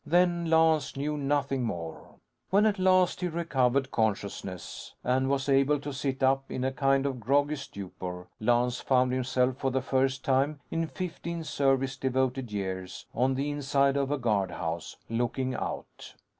Then, Lance knew nothing more. When at last he recovered consciousness and was able to sit up in a kind of groggy stupor, Lance found himself, for the first time in fifteen service devoted years, on the inside of a guardhouse looking out.